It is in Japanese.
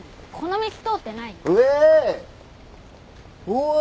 おい！